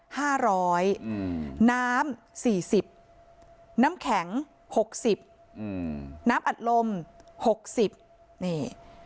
ห้าร้อยอืมน้ำสี่สิบน้ำแข็งหกสิบอืมน้ำอัดลมหกสิบนี่